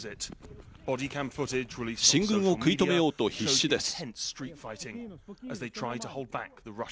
進軍を食い止めようと必死です。